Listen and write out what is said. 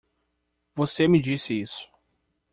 Você me disse isso.